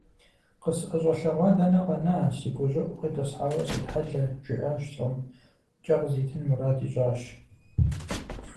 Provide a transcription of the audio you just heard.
КъысӀэщӀэлъэгъуа дэнэ къэна, си гущӀыӀу къитӀысхьауэ сетхьэлэ! - жиӀащ лӀым, кӀэ къызитын мурад ищӀащ.